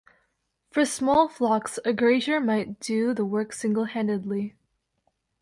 For small flocks, a grazier might do the work single-handedly.